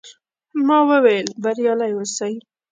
ما وویل، بریالي اوسئ.